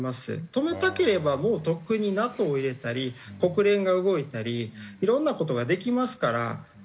止めたければもうとっくにＮＡＴＯを入れたり国連が動いたりいろんな事ができますから。